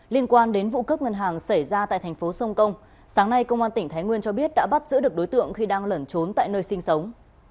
liên quan đến vụ cướp ngân hàng xảy ra tại thành phố sông công sáng nay công an tỉnh thái nguyên cho biết đã bắt giữ được đối tượng khi đang lẩn trốn tại nơi sinh sống